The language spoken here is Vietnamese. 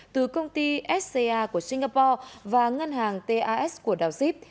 từ công ty sca của singapore và ngân hàng tas của đào xíp